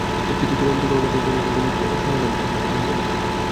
অতি কঠোর অন্তঃকরণও কখনও কখনও অপরের প্রতি সহানুভূতিসম্পন্ন হইয়া থাকে।